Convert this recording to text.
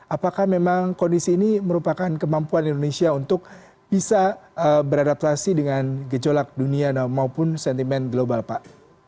apakah memang kondisi ini merupakan kemampuan indonesia untuk bisa beradaptasi dengan gejolak dunia maupun sentimen global pak